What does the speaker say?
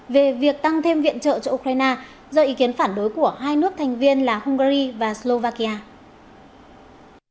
về việc tăng thêm viện trợ cho ukraine do ý kiến phản đối của hai nước thành viên là hungary và slovakia